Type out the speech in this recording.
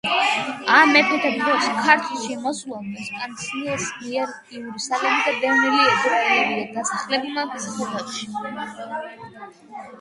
ამ მეფეთა დროს ქართლში მოსულან, ვესპასიანეს მიერ იერუსალიმიდან დევნილი ებრაელები და დასახლებულან მცხეთაში.